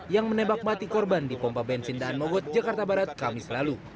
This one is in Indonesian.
yang menembak mati korban di pompa bensin daan mogot jakarta barat kamis lalu